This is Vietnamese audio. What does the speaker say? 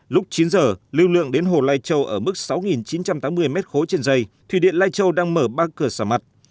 lúc chín giờ lưu lượng đến hồ lai châu ở mức sáu chín trăm tám mươi m ba trên dây thủy điện lai châu đang mở ba cửa xả mặt